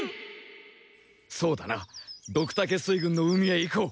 そうだなドクタケ水軍の海へ行こう。